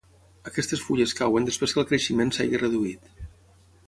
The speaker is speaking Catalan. Aquestes fulles cauen després que el creixement s'hagi reduït.